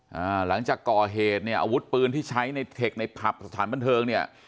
หลังจากก่อเหตุเนี่ยอาวุธปืนที่ใช้ในเทคในผับสถานบันเทิงเนี่ย